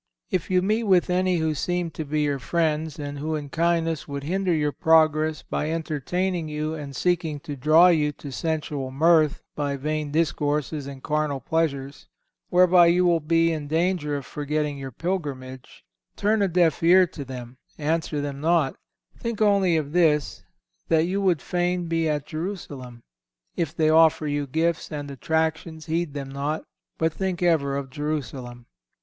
If you meet with any who seem to be your friends, and who in kindness would hinder your progress by entertaining you and seeking to draw you to sensual mirth by vain discourses and carnal pleasures, whereby you will be in danger of forgetting your pilgrimage, turn a deaf ear to them, answer them not; think only of this, that you would fain be at Jerusalem. If they offer you gifts and attractions, heed them not, but think ever of Jerusalem.